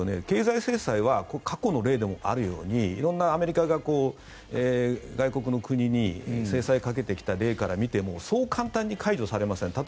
経済制裁は過去の例でもあるように色んなアメリカが外国の国に制裁をかけてきた例から見てもそう簡単に解除されません。